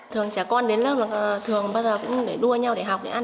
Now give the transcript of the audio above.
thường trẻ con đến lớp thường bây giờ cũng đua nhau để học để ăn